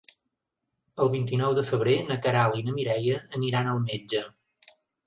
El vint-i-nou de febrer na Queralt i na Mireia aniran al metge.